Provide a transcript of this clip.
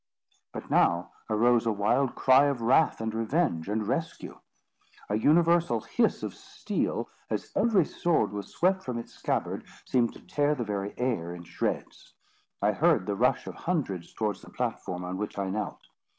But now arose a wild cry of wrath and revenge and rescue. A universal hiss of steel, as every sword was swept from its scabbard, seemed to tear the very air in shreds. I heard the rush of hundreds towards the platform on which I knelt.